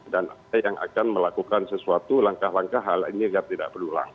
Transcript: dan yang akan melakukan sesuatu langkah langkah hal ini tidak perlu ulang